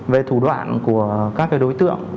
về thủ đoạn của các đối tượng